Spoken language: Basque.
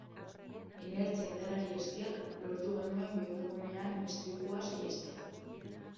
Inertzia indarrari esker lortu genuen bihurgunean istripua saihestea.